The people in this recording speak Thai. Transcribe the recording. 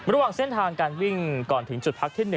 ระหว่างเส้นทางการวิ่งก่อนถึงจุดพักที่๑